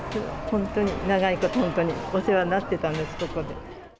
本当に長いこと、本当にお世話になってたんです、ここで。